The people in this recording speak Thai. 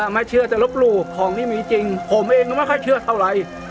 ไม่เชื่อจะลบหลู่ของที่มีจริงผมเองก็ไม่ค่อยเชื่อเท่าไร